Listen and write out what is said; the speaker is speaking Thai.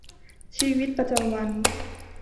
ชีวิตประจำวัน